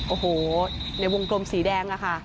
โอ้โหในวงกลมสีแดงอะค่ะ